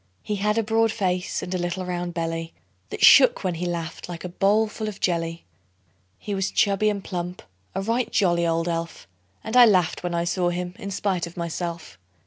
He had a broad face, and a little round belly That shook when he laughed, like a bowl full of jelly. He was chubby and plump a right jolly old elf; And I laughed when I saw him in spite of myself.